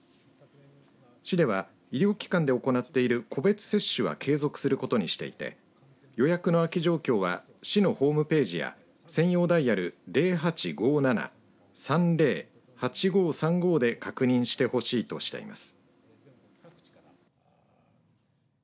市では、医療機関で行っている個別接種は継続することにしていて予約の空き状況は市のホームページや専用ダイヤル０８５７‐３０‐８５３５で確認してほしいとしています。